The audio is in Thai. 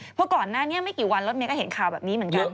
เพราะก่อนหน้านี้ไม่กี่วันรถเมย์ก็เห็นข่าวแบบนี้เหมือนกัน